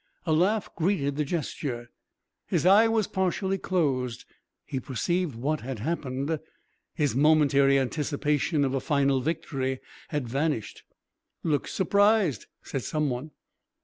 A laugh greeted the gesture. His eye was partially closed. He perceived what had happened. His momentary anticipation of a final victory had vanished. "Looks surprised," said some one.